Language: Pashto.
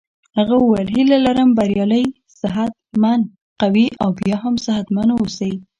هغه وویل هیله لرم بریالی صحت مند قوي او بیا هم صحت مند اوسې.